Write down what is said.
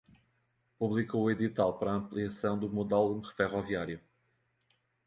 Publicou o edital para ampliação do modal ferroviário